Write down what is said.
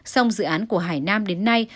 xong dự án của hải nam đến nay